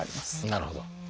なるほど。